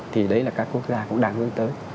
thì đấy là các quốc gia cũng đang hướng tới